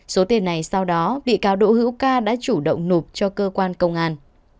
số tiền này sau đó bị cáo đỗ hiệu ca đã chủ động nụp cho cơ quan công an